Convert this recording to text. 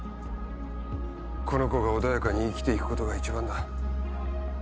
この子が穏やかに生きて行くことが一番だ。